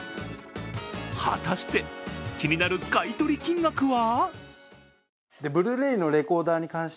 果たして、気になる買い取り金額は？